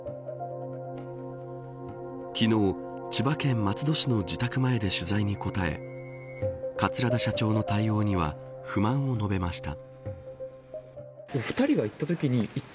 昨日、千葉県松戸市の自宅前で取材に答え桂田社長の対応には不満を述べました。